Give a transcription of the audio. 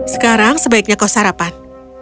sekarang sebaiknya kau sarapan